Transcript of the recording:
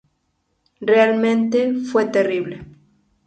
Realmente, fue terrible.